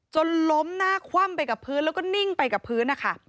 จนล้มหน้าคว่ำไปกับพื้นแล้วก็นิ่งไปกับพื้นนะคะ